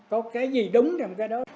có cái gì đúng thì có cái đó